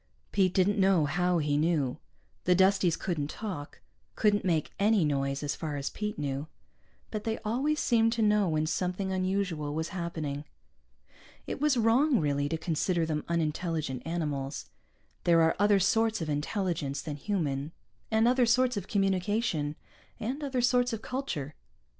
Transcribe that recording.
Pete didn't know how he knew. The Dusties couldn't talk, couldn't make any noise, as far as Pete knew. But they always seemed to know when something unusual was happening. It was wrong, really, to consider them unintelligent animals. There are other sorts of intelligence than human, and other sorts of communication, and other sorts of culture.